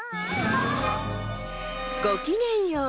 ごきげんよう。